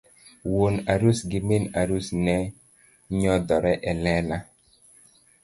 Wuon arus gi min arus ne nyodhore e lela.